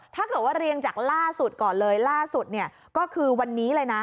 ถ้าเกิดว่าเรียงจากล่าสุดก่อนเลยล่าสุดเนี่ยก็คือวันนี้เลยนะ